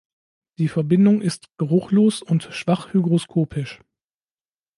Die Verbindung ist geruchlos und schwach hygroskopisch.